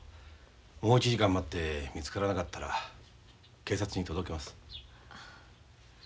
もう１時間待って見つからなかったら警察に届けます。